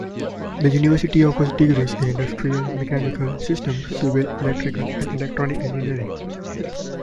The university offers degrees in industrial, mechanical, systems, civil, electrical and electronic engineering.